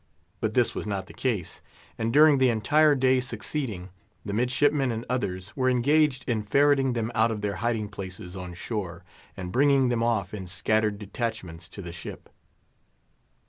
But this was not the case; and during the entire day succeeding, the midshipmen and others were engaged in ferreting them out of their hiding places on shore, and bringing them off in scattered detachments to the ship.